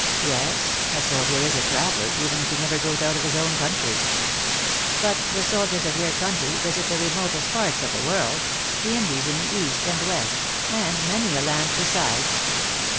" Yes. A soldier is a traveler, even if he never goes out of his own country." " But the soldiers of your country visit the remotest parts of the world, the Indies in the east and west, and now this, our country, and many a land be sides."